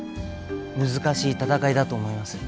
難しい闘いだと思います。